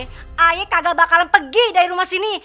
saya kagak bakalan pergi dari rumah sini